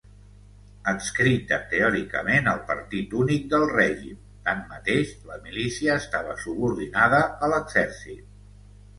Adscrita teòricament al partit únic del règim, tanmateix la milícia estava subordinada a l'Exèrcit.